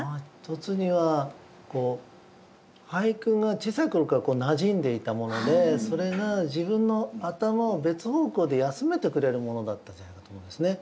一つには俳句が小さい頃からなじんでいたものでそれが自分の頭を別方向で休めてくれるものだったんじゃないかと思うんですね。